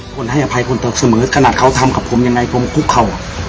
ให้อภัยคนเสมอขนาดเขาทำกับผมยังไงกรมคุกเข่า